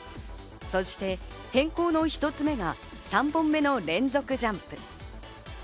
そして変更の１つ目が３本目の連続ジャンプ。